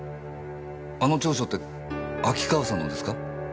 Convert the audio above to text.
あの調書って秋川さんのですか？